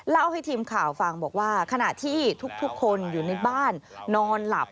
เล่าให้ทีมข่าวฟังบอกว่าขณะที่ทุกคนอยู่ในบ้านนอนหลับ